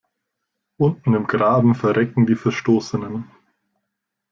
Unten im Graben verrecken die Verstoßenen.